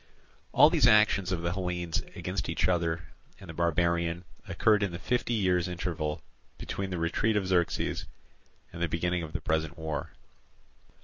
All these actions of the Hellenes against each other and the barbarian occurred in the fifty years' interval between the retreat of Xerxes and the beginning of the present war.